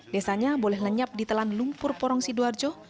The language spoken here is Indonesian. desanya boleh lenyap di telan lumpur porong sidoarjo